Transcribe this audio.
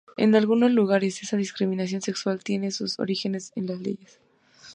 En algunos lugares, esa discriminación sexual tiene sus orígenes en las leyes.